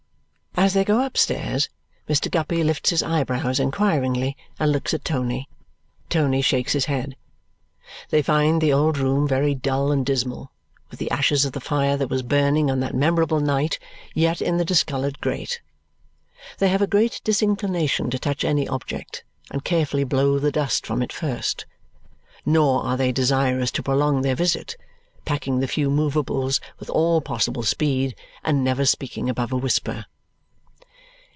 As they go upstairs, Mr. Guppy lifts his eyebrows inquiringly and looks at Tony. Tony shakes his head. They find the old room very dull and dismal, with the ashes of the fire that was burning on that memorable night yet in the discoloured grate. They have a great disinclination to touch any object, and carefully blow the dust from it first. Nor are they desirous to prolong their visit, packing the few movables with all possible speed and never speaking above a whisper.